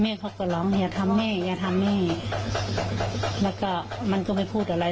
เขาก็ร้องอย่าทำแม่อย่าทำแม่แล้วก็มันก็ไม่พูดอะไร